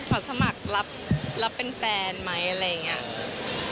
สมัครรับเป็นแฟนไหมอะไรอย่างนี้